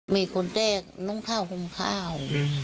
มีคนเด็กน้องข้าวคมข้าว